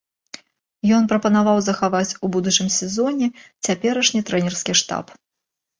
Ён прапанаваў захаваць у будучым сезоне цяперашні трэнерскі штаб.